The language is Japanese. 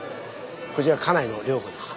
こちら家内の涼子です。